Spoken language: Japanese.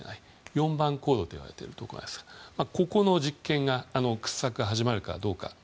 ４番坑道といわれているところですがここの掘削が始まるかどうか。